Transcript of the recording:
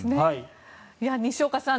西岡さん